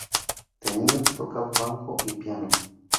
De niño tocaba banjo y piano.